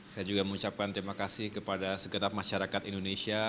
saya juga mengucapkan terima kasih kepada segenap masyarakat indonesia